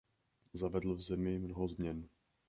Zavedl v zemi mnoho změn.